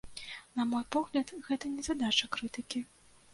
На мой погляд, гэта не задача крытыкі.